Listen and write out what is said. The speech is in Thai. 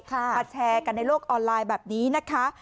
มาแชร์กันในโลกออนไลน์แบบนี้นะคะ